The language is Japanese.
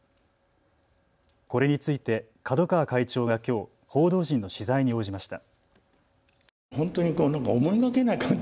これについて角川会長がきょう報道陣の取材に応じました。